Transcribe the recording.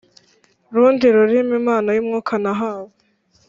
Rundi rurimi impano y umwuka nahawe